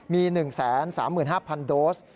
มี๑๓๕๐๐โดส